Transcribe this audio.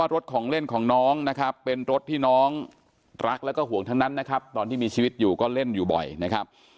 รถของเล่นของน้องนะครับเป็นรถที่น้องรักแล้วก็ห่วงทั้งนั้นนะครับตอนที่มีชีวิตอยู่ก็เล่นอยู่บ่อยนะครับ